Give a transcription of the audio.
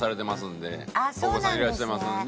お子さんいらっしゃいますので。